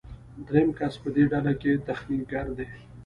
دریم کس په دې ډله کې تخنیکګر دی.